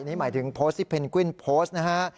นี่หมายถึงโพสต์ที่เพนกวินโพสต์นะฮะ